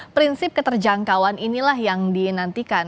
prinsip keterjangkauan inilah yang dinantikan